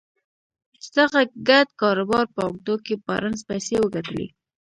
د دغه ګډ کاروبار په اوږدو کې بارنس پيسې وګټلې.